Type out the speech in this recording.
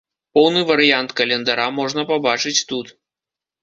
Поўны варыянт календара можна пабачыць тут.